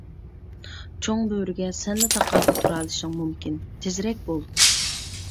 چوڭ بۆرىگە سەنلا تاقابىل تۇرالىشىڭ مۇمكىن، تېزرەك بول!